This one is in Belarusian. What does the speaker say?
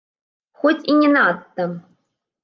Хоць і не надта.